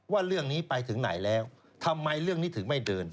ว่าเรื่องนี้ไปถึงไหนแล้วทำไมเรื่องนี้ถึงไม่เดิน